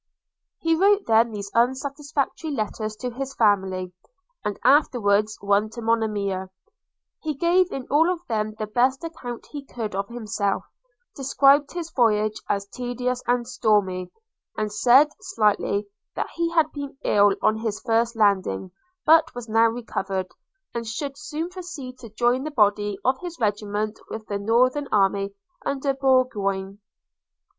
He wrote then these unsatisfactory letters to his family; and afterwards one to Monimia. – He gave in all of them the best account he could of himself, described his voyage as tedious and stormy; and said, slightly, that he had been ill on his first landing; but was now recovered, and should soon proceed to join the body of his regiment with the northern army under Burgoyne.